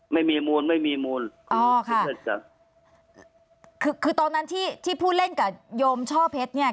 ไม่มีมูลไม่มีมูลอ๋อค่ะคือคือตอนนั้นที่ที่ผู้เล่นกับโยมช่อเพชรเนี่ย